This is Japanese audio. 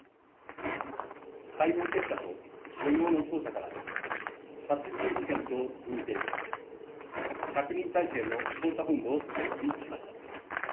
解剖結果と所要の捜査から、殺人事件と認定し、１００人態勢の捜査本部を設置しました。